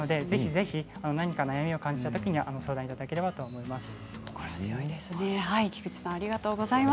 ぜひ何か悩みを感じたときは相談いただければと思います。